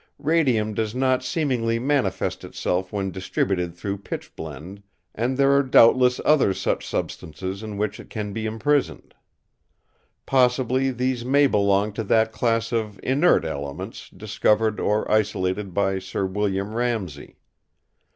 Radium does not seemingly manifest itself when distributed through pitchblende; and there are doubtless other such substances in which it can be imprisoned. Possibly these may belong to that class of "inert" elements discovered or isolated by Sir William Ramsay.